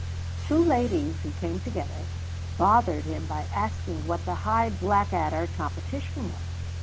Two ladies, who came together, bothered him by asking what the Hugh Blackadder competition was.